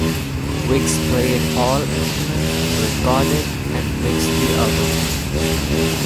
Wiggs played all instruments, recorded and mixed the album.